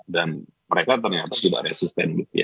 dan mereka ternyata juga resisten gitu ya